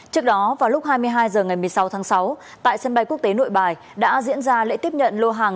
trước đó vào lúc hai mươi hai h ngày một mươi sáu tháng sáu tại sân bay quốc tế nội bài đã diễn ra lễ tiếp nhận lô hàng